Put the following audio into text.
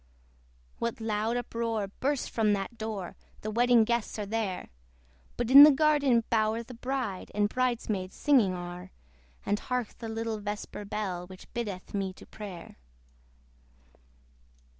What loud uproar bursts from that door! The wedding guests are there: But in the garden bower the bride And bride maids singing are: And hark the little vesper bell, Which biddeth me to prayer!